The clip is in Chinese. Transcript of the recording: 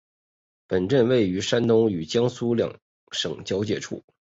本镇位于山东与江苏两省交界处。